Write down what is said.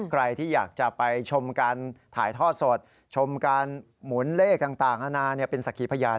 ใครที่อยากจะไปชมการถ่ายทอดสดชมการหมุนเลขต่างอาณาเป็นสักขีพยาน